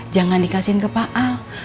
jangan dikasihin ke pak al